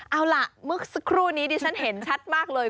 เอาล่ะเมื่อสักครู่นี้ดิฉันเห็นชัดมากเลย